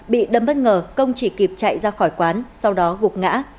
bị đâm bất ngờ công chỉ kịp chạy ra khỏi quán sau đó gục ngã